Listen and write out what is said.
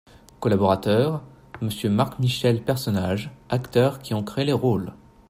COLLABORATEURS : Monsieur MARC-MICHEL PERSONNAGES Acteurs qui ont créé les rôles.